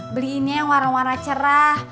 beliin yang warna wara cerah